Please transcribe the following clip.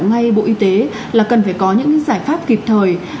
ngay bộ y tế là cần phải có những giải pháp kịp thời